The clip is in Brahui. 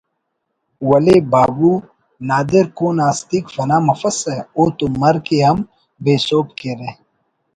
ولے بابو نادر کون آ ہستیک فنا مفسہ اوتو مرک ءِ ہم بے سہب کیرہ